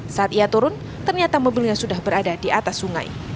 saat ia turun ternyata mobilnya sudah berada di atas sungai